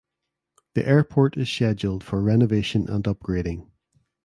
The airport is scheduled for renovation and upgrading.